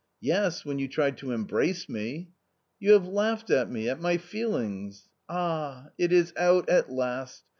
" Yes, when you tried to embrace me." " You have laughed at me, at my feelings," " Ah, it is out at last